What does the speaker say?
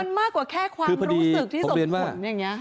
มันมากกว่าแค่ความรู้สึกที่ส่งผลอย่างนี้